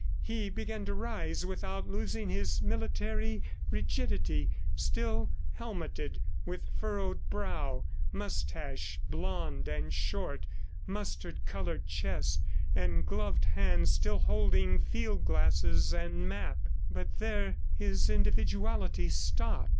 He began to rise without losing his military rigidity, still helmeted, with furrowed brow, moustache blond and short, mustard colored chest, and gloved hands still holding field glasses and map but there his individuality stopped.